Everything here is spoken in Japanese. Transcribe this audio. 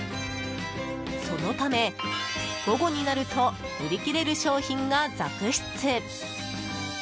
そのため午後になると売り切れる商品が続出。